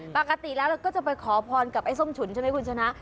ปกติแล้วเราก็จะไปขอพรกับไอ้ส้มฉุนใช่ไหมคุณชนะ